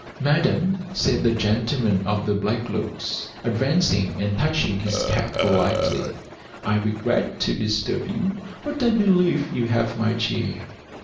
"Madam," said the gentleman of the black looks, advancing and touching his cap politely, "I regret to disturb you, but I believe you have my chair."